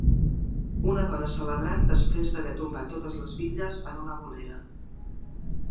Una dona celebrant després d'haver tombat totes les bitlles en una "bolera".